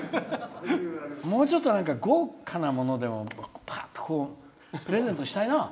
もうちょっと豪華なものでもぱーっとプレゼントしたいな！